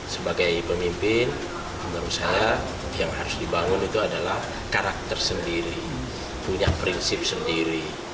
sebagai pemimpin menurut saya yang harus dibangun itu adalah karakter sendiri punya prinsip sendiri